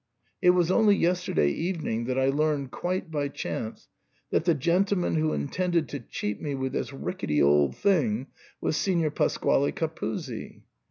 It was only yesterday evening that I learned quite by chance that the gentleman who intended to cheat me with this rickety old thing was Signor Pasquale Capuzzi.